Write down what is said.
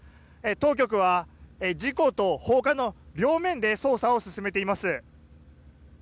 当局は、事故と放火の両面で捜査を進めています。